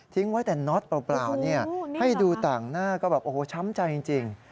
ไว้แต่น็อตเปล่าให้ดูต่างหน้าก็แบบโอ้โหช้ำใจจริง